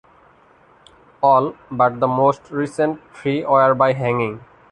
All but the most recent three were by hanging.